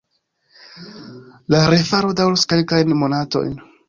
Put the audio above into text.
La refaro daŭros kelkajn monatojn.